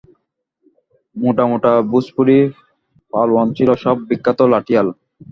মোটামোটা ভোজপুরী পালোয়ান ছিল, সব বিখ্যাত লাঠিয়াল।